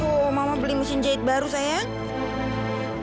lihat tuh mama beli mesin jahit baru sayang